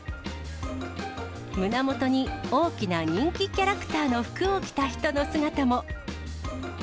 胸元に大きな人気キャラクターの服を着た人の姿も。